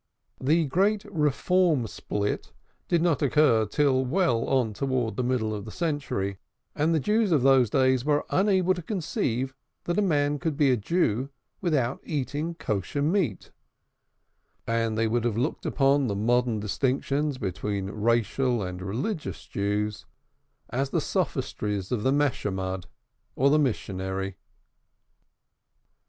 The great Reform split did not occur till well on towards the middle of the century, and the Jews of those days were unable to conceive that a man could be a Jew without eating kosher meat, and they would have looked upon the modern distinctions between racial and religious Jews as the sophistries of the convert or the missionary.